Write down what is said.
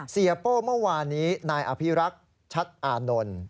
โป้เมื่อวานนี้นายอภิรักษ์ชัดอานนท์